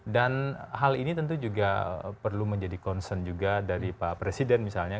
dan hal ini tentu juga perlu menjadi concern juga dari pak presiden misalnya